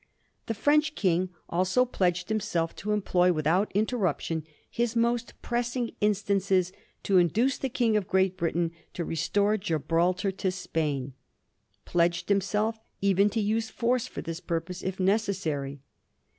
The French King also pledged himself to employ without interruption his most pressing instances to induce the King of Great Britain to restore Gibraltar to Spain; pledged himself even to use force for this purpose if necessary.